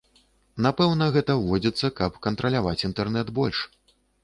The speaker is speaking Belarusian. Напэўна, гэта ўводзіцца, каб кантраляваць інтэрнэт больш.